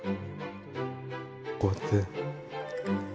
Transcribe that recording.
こうやって。